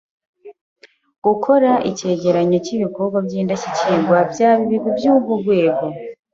Gukora icyegeranyo cy’ibikorwa by’Indashyikirwa byaba ibigwi by’urwo rwego.